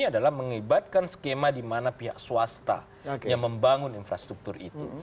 adalah mengibatkan skema di mana pihak swasta yang membangun infrastruktur itu